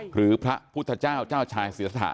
หรือพระพุทธเจ้าเจ้าชายศิรษฐะ